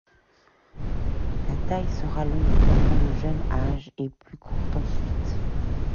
La taille sera longue pendant le jeune âge et plus courte ensuite.